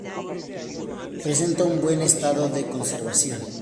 Presenta un buen estado de conservación.